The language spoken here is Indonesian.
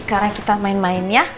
sekarang kita main main ya